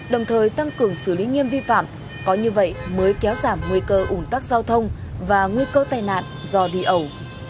đồng thời tăng cường xử lý nghiêm vi phạm có như vậy mới kéo giảm nguy cơ ủn tắc giao thông và nguy cơ tai nạn do đi ẩu